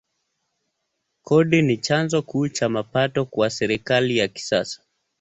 Kodi ni chanzo kuu cha mapato kwa serikali ya kisasa.